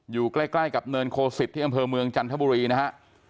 อยู่ใกล้กับเนินโคสิตที่อำเภอเมืองจันทบุรีนะฮะ